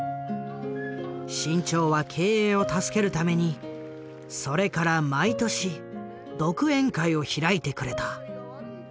志ん朝は経営を助けるためにそれから毎年独演会を開いてくれた。